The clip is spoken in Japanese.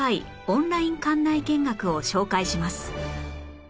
オンライン館内見学を紹介します